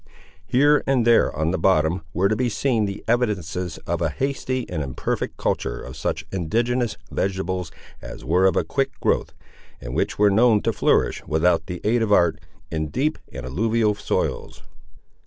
Here and there, on the bottom, were to be seen the evidences of a hasty and imperfect culture of such indigenous vegetables as were of a quick growth, and which were known to flourish, without the aid of art, in deep and alluvial soils.